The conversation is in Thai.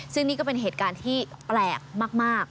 ซึ่งนี่ก็เป็นเหตุการณ์ที่แปลกมาก